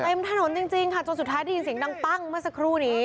เต็มถนนจริงค่ะจนสุดท้ายได้ยินเสียงดังปั้งเมื่อสักครู่นี้